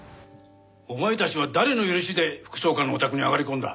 お前たちは誰の許しで副総監のお宅に上がり込んだ？